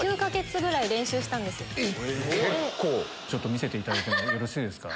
見せていただいてよろしいですか。